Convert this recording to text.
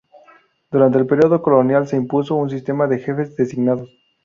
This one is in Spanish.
Durante el período colonial se impuso un sistema de jefes designados.